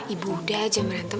ibu udah jangan merantem